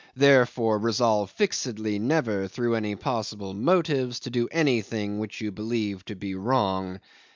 Therefore resolve fixedly never, through any possible motives, to do anything which you believe to be wrong."